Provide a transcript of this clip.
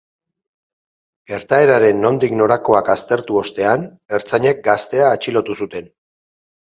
Gertaeraren nondik norakoak aztertu ostean, ertzainek gaztea atxilotu zuten.